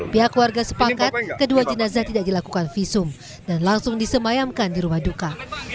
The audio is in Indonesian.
pihak warga sepakat kedua jenazah tidak dilakukan visum dan langsung disemayamkan di rumah duka